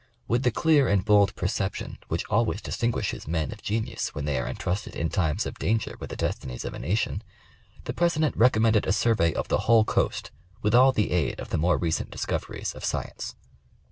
With the clear and bold perception, which always distinguishes men of genius when they are entrusted in times of danger with the destinies of a nation, the president recommended a survey of the whole coast with all the aid of the more recent discoveries of science."